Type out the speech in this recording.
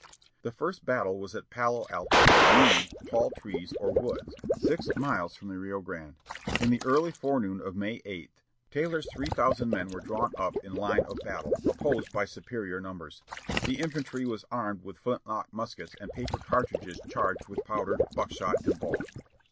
The first battle was at Palo Alto, meaning "tall trees or woods," six miles from the Rio Grande. Early in the forenoon of May 8, Taylor's three thousand men were drawn up in line of battle, opposed by superior numbers. The infantry was armed with flintlock muskets and paper cartridges charged with powder, buckshot, and ball.